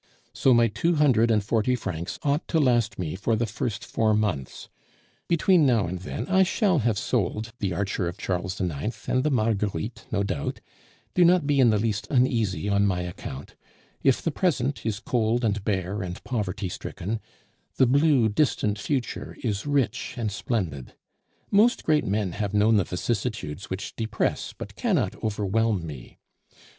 So my two hundred and forty francs ought to last me for the first four months. Between now and then I shall have sold The Archer of Charles IX. and the Marguerites no doubt. Do not be in the least uneasy on my account. If the present is cold and bare and poverty stricken, the blue distant future is rich and splendid; most great men have known the vicissitudes which depress but cannot overwhelm me.